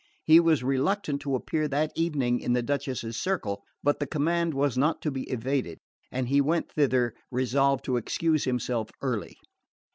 He was reluctant to appear that evening in the Duchess's circle; but the command was not to be evaded, and he went thither resolved to excuse himself early.